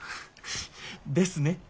ですね。